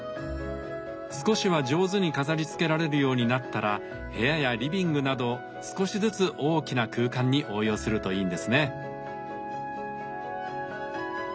少しは上手に飾りつけられるようになったら部屋やリビングなど少しずつ大きな空間に応用するといいんですね。